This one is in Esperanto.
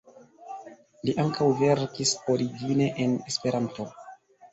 Li ankaŭ verkis origine en Esperanto.